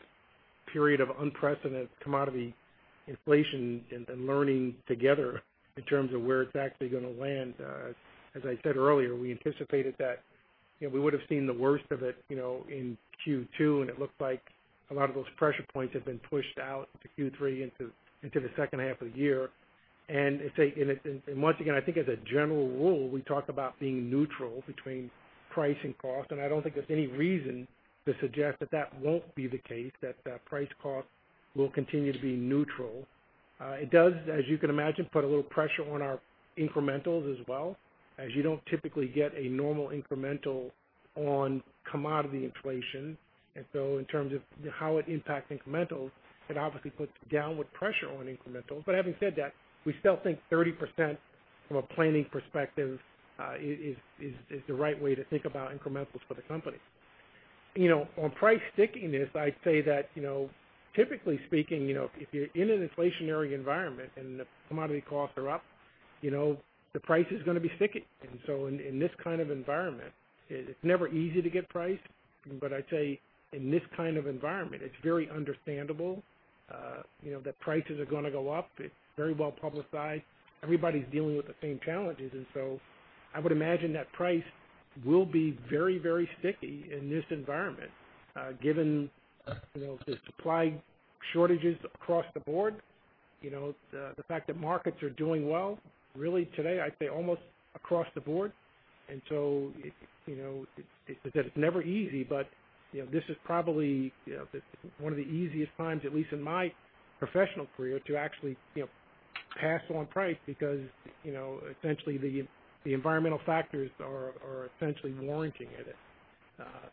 period of unprecedented commodity inflation and learning together in terms of where it's actually going to land. As I said earlier, we anticipated that we would've seen the worst of it in Q2. It looked like a lot of those pressure points have been pushed out into Q3, into the second half of the year. Once again, I think as a general rule, we talk about being neutral between price and cost. I don't think there's any reason to suggest that that won't be the case, that price cost will continue to be neutral. It does, as you can imagine, put a little pressure on our incrementals as well, as you don't typically get a normal incremental on commodity inflation. In terms of how it impacts incrementals, it obviously puts downward pressure on incrementals. Having said that, we still think 30% from a planning perspective is the right way to think about incrementals for the company. On price stickiness, I'd say that, typically speaking, if you're in an inflationary environment and the commodity costs are up, the price is going to be sticky. In this kind of environment, it's never easy to get price. I'd say in this kind of environment, it's very understandable that prices are going to go up. It's very well publicized. Everybody's dealing with the same challenges. I would imagine that price will be very sticky in this environment given the supply shortages across the board, the fact that markets are doing well, really today, I'd say almost across the board. It's never easy, but this is probably one of the easiest times, at least in my professional career, to actually pass on price because essentially the environmental factors are essentially warranting it.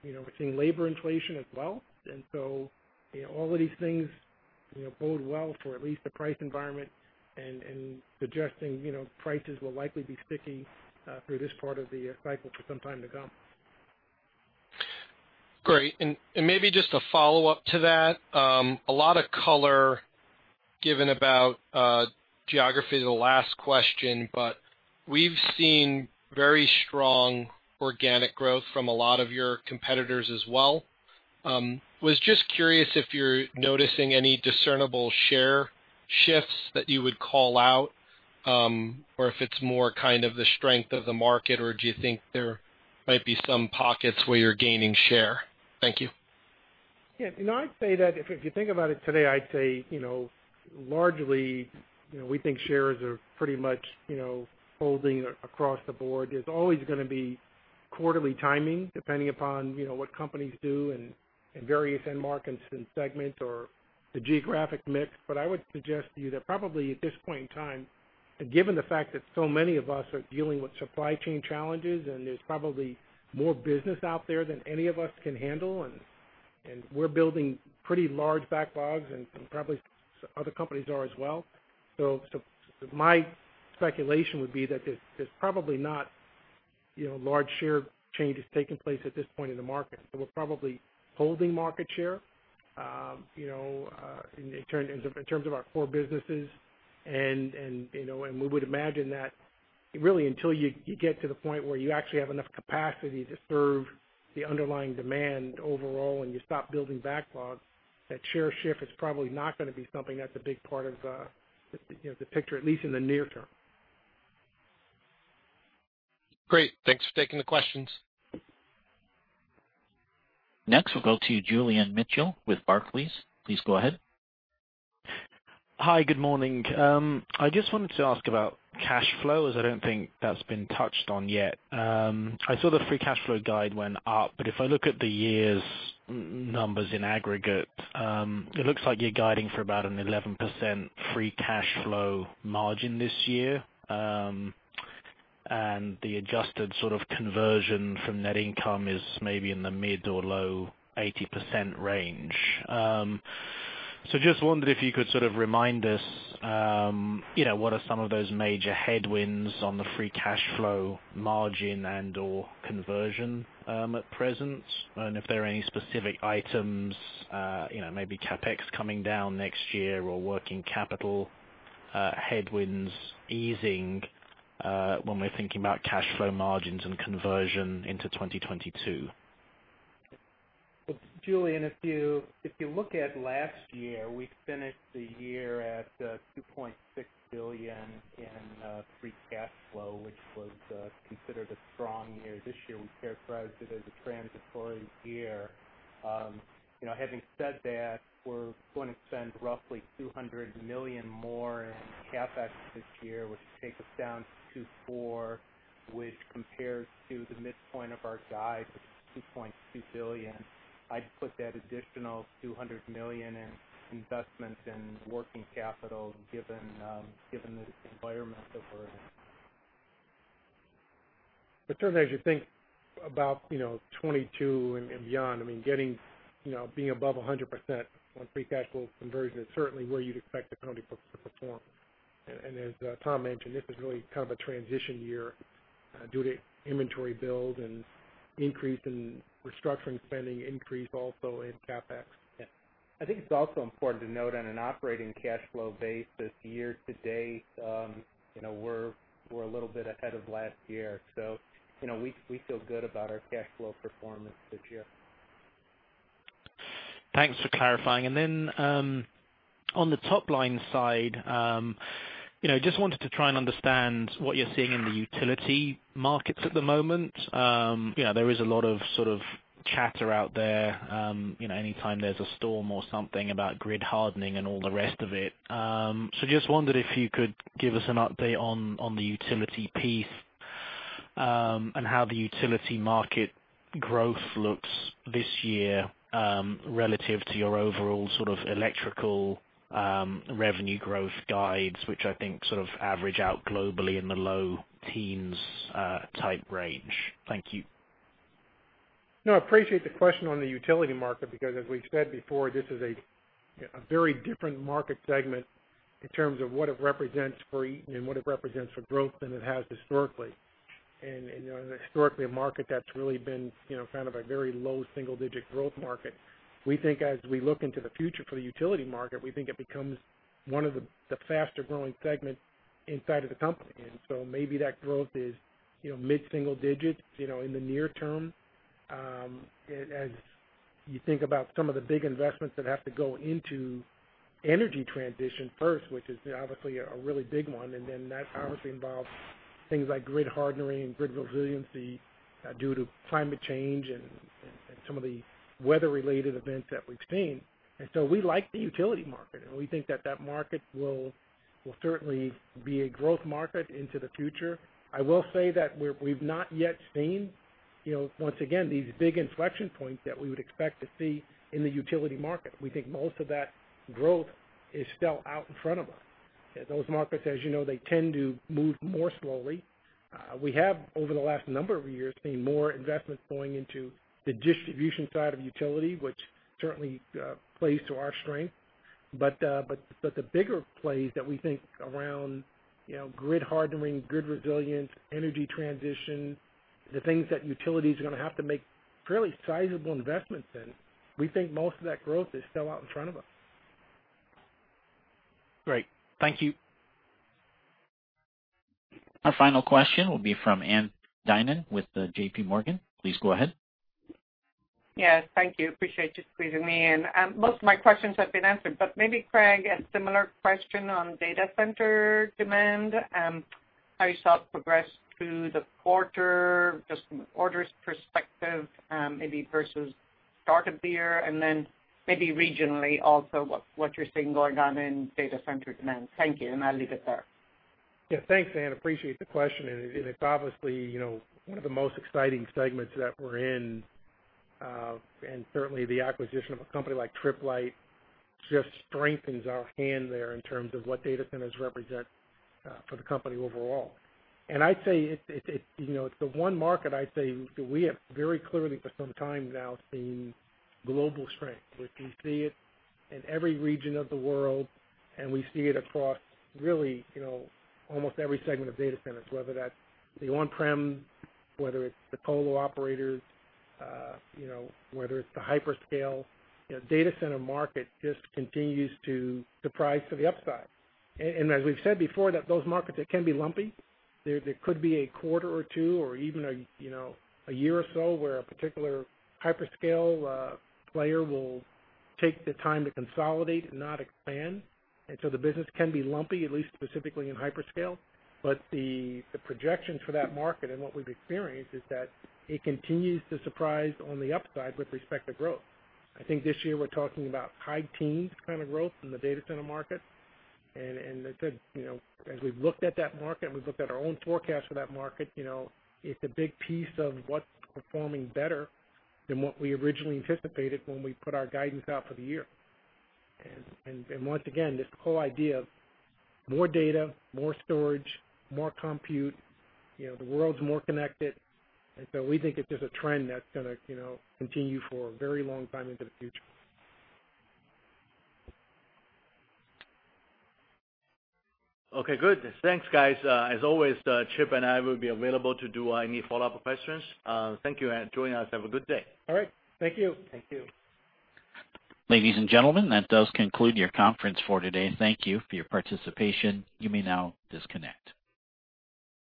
We're seeing labor inflation as well. All of these things bode well for at least the price environment and suggesting prices will likely be sticky through this part of the cycle for some time to come. Great. Maybe just a follow-up to that. A lot of color given about geography in the last question, but we've seen very strong organic growth from a lot of your competitors as well. I was just curious if you're noticing any discernible share shifts that you would call out, or if it's more kind of the strength of the market, or do you think there might be some pockets where you're gaining share? Thank you. Yeah. If you think about it today, I'd say, largely, we think shares are pretty much holding across the board. There's always going to be quarterly timing depending upon what companies do and various end markets and segments or the geographic mix. I would suggest to you that probably at this point in time, given the fact that so many of us are dealing with supply chain challenges, and there's probably more business out there than any of us can handle, and we're building pretty large backlogs and probably other companies are as well. My speculation would be that there's probably not large share changes taking place at this point in the market. We're probably holding market share in terms of our core businesses. We would imagine that, really, until you get to the point where you actually have enough capacity to serve the underlying demand overall and you stop building backlogs, that share shift is probably not going to be something that's a big part of the picture, at least in the near term. Great. Thanks for taking the questions. Next, we'll go to Julian Mitchell with Barclays. Please go ahead. Hi. Good morning. I just wanted to ask about cash flow, as I don't think that's been touched on yet. I saw the free cash flow guide went up, but if I look at the year's numbers in aggregate, it looks like you're guiding for about an 11% free cash flow margin this year. The adjusted sort of conversion from net income is maybe in the mid or low 80% range. Just wondered if you could sort of remind us what are some of those major headwinds on the free cash flow margin and/or conversion at present, and if there are any specific items, maybe CapEx coming down next year or working capital headwinds easing when we're thinking about cash flow margins and conversion into 2022. Julian, if you look at last year, we finished the year at $2.6 billion in free cash flow, which was considered a strong year. This year, we characterized it as a transitory year. Having said that, we're going to spend roughly $200 million more in CapEx this year, which takes us down to four, which compares to the midpoint of our guide, which is $2.2 billion. I'd put that additional $200 million in investments in working capital given this environment that we're in. Certainly, as you think about 2022 and beyond, being above 100% on free cash flow conversion is certainly where you'd expect the company to perform. As Tom mentioned, this is really kind of a transition year due to inventory build and increase in restructuring spending, increase also in CapEx. I think it's also important to note on an operating cash flow base this year to date, we're a little bit ahead of last year. We feel good about our cash flow performance this year. Thanks for clarifying. On the top-line side, just wanted to try and understand what you're seeing in the utility markets at the moment. There is a lot of sort of chatter out there anytime there's a storm or something about grid hardening and all the rest of it. Just wondered if you could give us an update on the utility piece, and how the utility market growth looks this year, relative to your overall sort of electrical revenue growth guides, which I think sort of average out globally in the low teens type range? Thank you. I appreciate the question on the utility market, because as we've said before, this is a very different market segment in terms of what it represents for Eaton and what it represents for growth than it has historically. Historically, a market that's really been kind of a very low single-digit growth market. We think as we look into the future for the utility market, we think it becomes one of the faster-growing segments inside of the company. Maybe that growth is mid-single digits in the near term. As you think about some of the big investments that have to go into energy transition first, which is obviously a really big one, then that obviously involves things like grid hardening and grid resiliency due to climate change and some of the weather-related events that we've seen. We like the utility market, and we think that that market will certainly be a growth market into the future. I will say that we've not yet seen, once again, these big inflection points that we would expect to see in the utility market. We think most of that growth is still out in front of us. Those markets, as you know, they tend to move more slowly. We have, over the last number of years, seen more investments going into the distribution side of utility, which certainly plays to our strength. The bigger plays that we think around grid hardening, grid resilience, energy transition, the things that utilities are going to have to make fairly sizable investments in, we think most of that growth is still out in front of us. Great. Thank you. Our final question will be from Ann Duignan with JPMorgan. Please go ahead. Yes, thank you. Appreciate you squeezing me in. Most of my questions have been answered. Maybe, Craig, a similar question on data center demand, how you saw it progress through the quarter, just from an orders perspective, maybe versus start of the year, and then maybe regionally also, what you're seeing going on in data center demand. Thank you, and I'll leave it there. Yeah, thanks, Ann. Appreciate the question. It's obviously one of the most exciting segments that we're in. Certainly, the acquisition of a company like Tripp Lite just strengthens our hand there in terms of what data centers represent for the company overall. It's the one market I'd say that we have very clearly for some time now seen global strength, which we see it in every region of the world, and we see it across really almost every segment of data centers, whether that's the on-prem, whether it's the co-lo operators, whether it's the hyperscale. Data center market just continues to surprise to the upside. As we've said before, that those markets, they can be lumpy. There could be a quarter or two or even a year or so where a particular hyperscale player will take the time to consolidate and not expand. The business can be lumpy, at least specifically in hyperscale. The projections for that market and what we've experienced is that it continues to surprise on the upside with respect to growth. I think this year we're talking about high teens kind of growth in the data center market. As I said, as we've looked at that market and we've looked at our own forecast for that market, it's a big piece of what's performing better than what we originally anticipated when we put our guidance out for the year. Once again, this whole idea of more data, more storage, more compute, the world's more connected. We think it's just a trend that's going to continue for a very long time into the future. Okay, good. Thanks, guys. As always, Chip and I will be available to do any follow-up questions. Thank you. Joining us, have a good day. All right. Thank you. Thank you. Ladies and gentlemen, that does conclude your conference for today. Thank you for your participation. You may now disconnect.